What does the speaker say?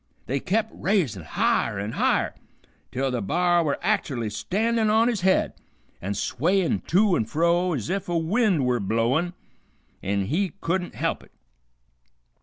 They kep' raisin' higher an' higher, till the b'ar were act'ally standin' on his head, an' swayin' to and fro ez if a wind were blowin' him an' he couldn't help it.